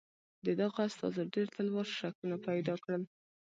د دغو استازو ډېر تلوار شکونه پیدا کړل.